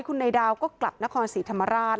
คุณนายดาวก็กลับนครศรีธรรมราช